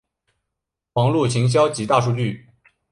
网路行销及大数据